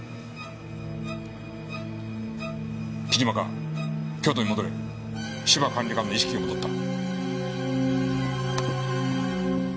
木島か京都に戻れ芝管理官の意識が戻った。